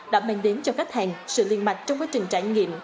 đã mang đến cho khách hàng sự liên mạch trong quá trình trải nghiệm